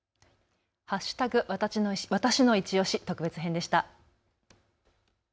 わたしのいちオシ、特別編でした。